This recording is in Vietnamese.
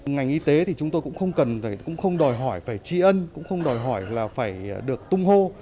ngành y tế thì chúng tôi cũng không cần cũng không đòi hỏi phải tri ân cũng không đòi hỏi là phải được tung hô